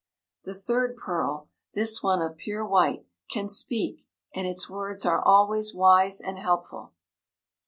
The third pearl this one of pure white can speak, and its words are always wise and helpful."